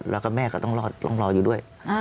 แล้วก็แม่ก็ต้องรออยู่ด้วย